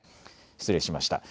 失礼しました。